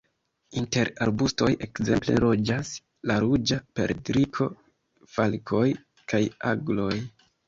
Inter arbustoj ekzemple loĝas la Ruĝa perdriko, falkoj kaj agloj.